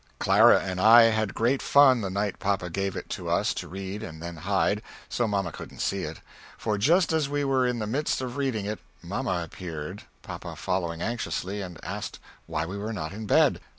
Clara and I had great fun the night papa gave it to us to read and then hide, so mamma couldn't see it, for just as we were in the midst of reading it mamma appeared, papa following anxiously and asked why we were not in bed?